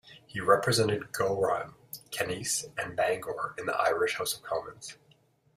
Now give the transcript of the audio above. He represented Gowran, Canice and Bangor in the Irish House of Commons.